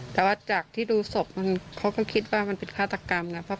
แต่ว่าจากที่ดูศพเขาก็คิดว่ามันเป็นฆาตกรรมนะ